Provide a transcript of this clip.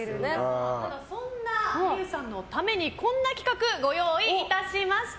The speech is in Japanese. そんな望結さんのためにこんな企画をご用意いたしました。